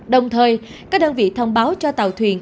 đồng thời các đơn vị thông báo cho tàu thuyền